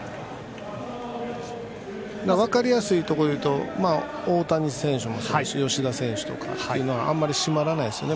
分かりやすいところでいうと大谷選手もそうだしそして吉田選手もあまり締まらないですね。